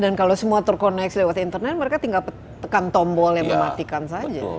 dan kalau semua ter connect lewat internet mereka tinggal tekan tombol yang mematikan saja